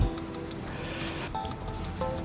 kita bisa bercuka alla ya